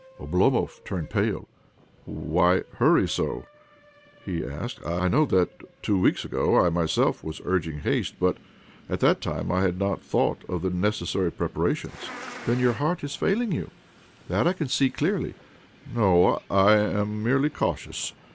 Oblomov turned pale. " Wliy hurry so ?" he asked. " I know that, twO' weeks ago, I myself was lirgingi haste ; but at that time I had not thought ^ of the necessary preparations." "Then your heart is failing you? That I can see clearly." " No ; I am merely cautious.